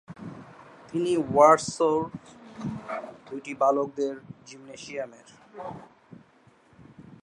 তিনি ওয়ার্সর দুইটি বালকদের জিমনেশিয়ামের